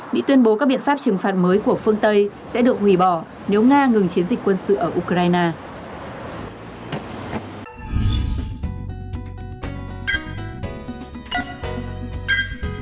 mỹ tuyên bố các biện pháp trừng phạt mới của phương tây sẽ được hủy bỏ nếu nga ngừng chiến dịch quân sự ở ukraine